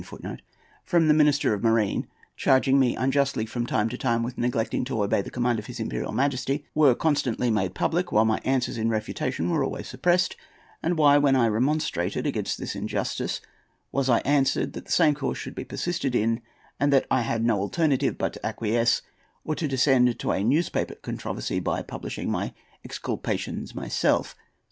] I would beg permission, too, to inquire how it happened that portarias[A] from the Minister of Marine, charging me unjustly from time to time with neglecting to obey the command of his Imperial Majesty, were constantly made public, while my answers in refutation were always suppressed. And why, when I remonstrated against this injustice, was I answered that the same course should be persisted in, and that I had no alternative but to acquiesce, or to descend to a newspaper controversy by publishing my exculpations myself?